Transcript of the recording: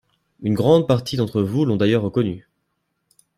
Une grande partie d’entre vous l’ont d’ailleurs reconnu.